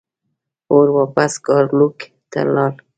اور واپس ګارلوک ته لاړ.